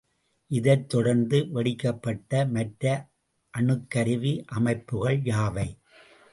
இதைத் தொடர்ந்து வெடிக்கப்பட்ட மற்ற அணுக்கருவி அமைப்புகள் யாவை?